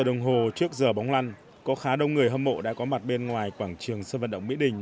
đồng hồ trước giờ bóng lăn có khá đông người hâm mộ đã có mặt bên ngoài quảng trường sân vận động mỹ đình